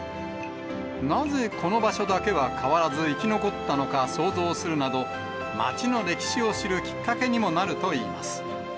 なぜこの場所だけは変わらず生き残ったのか想像するなど、街の歴史を知るきっかけにもなるといいます。